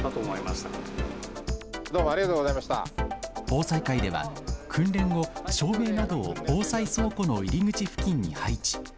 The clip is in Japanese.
防災会では訓練後、照明などを防災倉庫の入り口付近に配置。